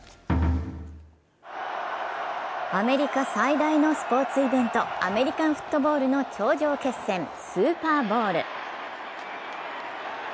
アメリカ最大のスポーツイベント、アメリカンフットボールの頂上決戦、スーパーボウル。